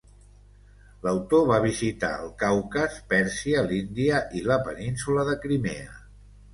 L'autor va visitar el Caucas, Pèrsia, l'Índia i la península de Crimea.